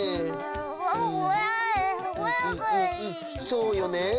そうよね。